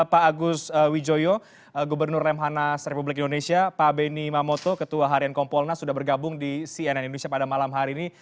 pak agus wijoyo gubernur remhanas republik indonesia pak beni mamoto ketua harian kompolnas sudah bergabung di cnn indonesia pada malam hari ini